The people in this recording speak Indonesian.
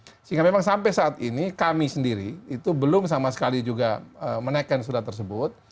sehingga memang sampai saat ini kami sendiri itu belum sama sekali juga menaikkan surat tersebut